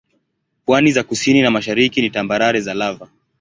Pwani za kusini na mashariki ni tambarare za lava.